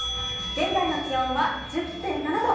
現在の気温は１０．７度。